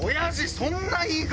そんな言い方。